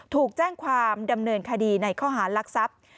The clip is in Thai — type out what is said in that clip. ถูกแจ้งความดำเนินคดีในข้อหารลักทรัพย์